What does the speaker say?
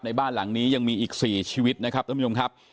ในบ้านหลังนี้ยังมีอีก๔ชีวิตนะครับท่านผู้ชมครับ